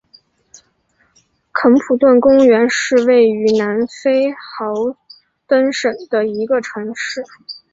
肯普顿公园是位于南非豪登省的一个城市。